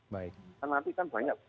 nanti kan banyak